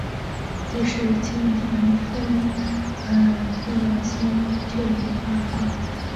于是清廷分土尔扈特为新旧二部。